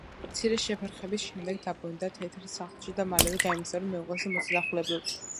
მცირე შეფერხების შემდეგ დაბრუნდა თეთრ სახლში და მალევე გაემგზავრა მეუღლის მოსანახულებლად.